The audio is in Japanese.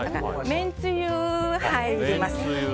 めんつゆ入ります。